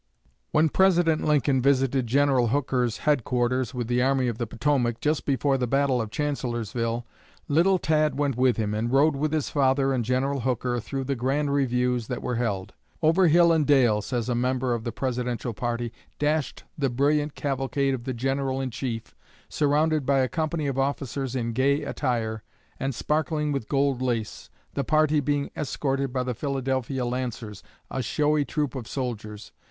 When President Lincoln visited General Hooker's headquarters with the Army of the Potomac, just before the battle of Chancellorsville, little Tad went with him, and rode with his father and General Hooker through the grand reviews that were held. "Over hill and dale," says a member of the Presidential party, "dashed the brilliant cavalcade of the General in Chief, surrounded by a company of officers in gay attire and sparkling with gold lace, the party being escorted by the Philadelphia Lancers, a showy troop of soldiers.